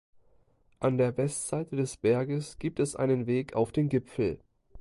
An der Westseite des Berges gibt es einen Weg auf den Gipfel.